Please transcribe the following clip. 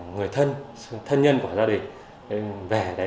người thân thân nhân của gia đình về đấy